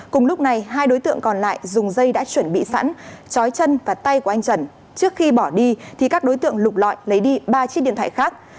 cùng lúc này hai đối tượng còn lại dùng dây đã chuẩn bị sẵn chói chân và tay của anh trần trước khi bỏ đi thì các đối tượng lục lọi lấy đi ba chiếc điện thoại khác